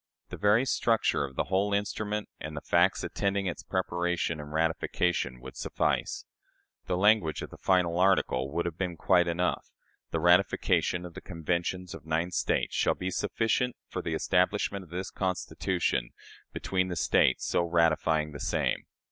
The very structure of the whole instrument and the facts attending its preparation and ratification would suffice. The language of the final article would have been quite enough: "The ratification of the conventions of nine States shall be sufficient for the establishment of this Constitution between the States so ratifying the same."